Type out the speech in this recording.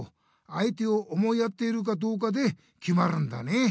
あいてを思いやっているかどうかできまるんだね！